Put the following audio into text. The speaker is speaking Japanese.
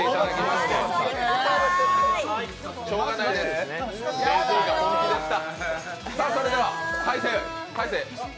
しょうがないです、ＫＺが本気でした。